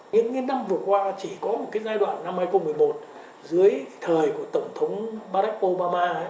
những năm vừa qua chỉ có một giai đoạn năm hai nghìn một mươi một dưới thời của tổng thống barack obama